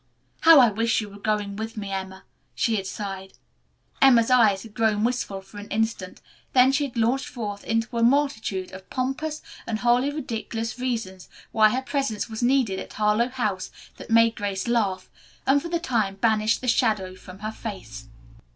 "How I wish you were going with me, Emma," she had sighed. Emma's eyes had grown wistful for an instant, then she had launched forth into a multitude of pompous and wholly ridiculous reasons why her presence was needed at Harlowe House that made Grace laugh, and, for the time, banished the shadow from her face.